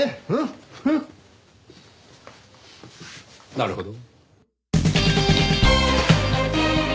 なるほど。